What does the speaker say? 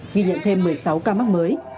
ghi nhận thêm một mươi sáu ca mắc mới